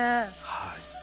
はい。